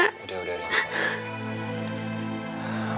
udah udah udang